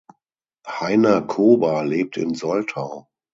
Hainer Kober lebt in Soltau.